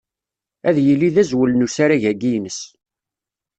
Ad yili d azwel n usarag-agi-ines.